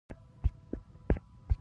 د هر سند موندل یوه جلا ستونزه وه.